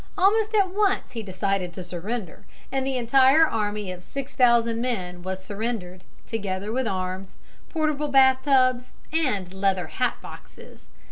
Almost at once he decided to surrender, and the entire army of six thousand men was surrendered, together with arms, portable bath tubs, and leather hat boxes.